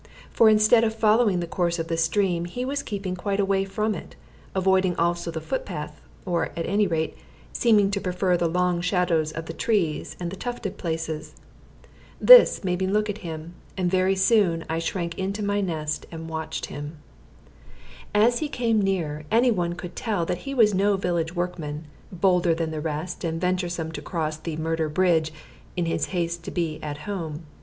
For instead of following the course of the stream, he was keeping quite away from it, avoiding also the footpath, or, at any rate, seeming to prefer the long shadows of the trees and the tufted places. This made me look at him, and very soon I shrank into my nest and watched him. As he came nearer any one could tell that he was no village workman, bolder than the rest, and venturesome to cross the "Murder bridge" in his haste to be at home.